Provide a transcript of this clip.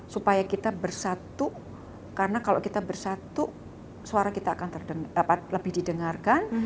supaya kita bersatu karena kalau kita bersatu suara kita akan lebih didengarkan